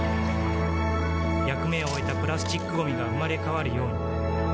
役目を終えたプラスチックごみが生まれ変わるように